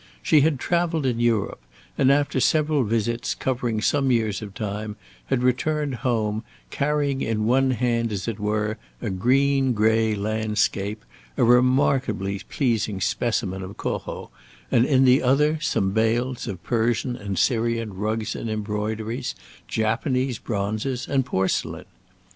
She had travelled in Europe, and after several visits, covering some years of time, had returned home, carrying in one hand, as it were, a green grey landscape, a remarkably pleasing specimen of Corot, and in the other some bales of Persian and Syrian rugs and embroideries, Japanese bronzes and porcelain.